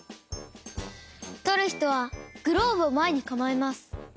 とるひとはグローブをまえにかまえます。